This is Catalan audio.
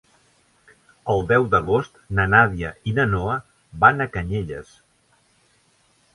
El deu d'agost na Nàdia i na Noa van a Canyelles.